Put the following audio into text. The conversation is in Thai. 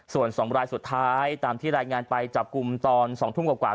ส่วน๒รายสุดท้ายตามที่รายงานไปจับกลุ่มตอน๒ทุ่มกว่า